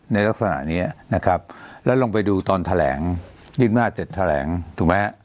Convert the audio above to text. ในลักษณะนี้นะครับแล้วลงไปดูตอนแถลงยื่นหน้าเสร็จแถลงถูกไหมฮะ